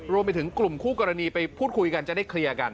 รวมไปถึงกลุ่มคู่กรณีไปพูดคุยกันจะได้เคลียร์กัน